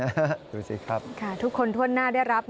นายยกรัฐมนตรีพบกับทัพนักกีฬาที่กลับมาจากโอลิมปิก๒๐๑๖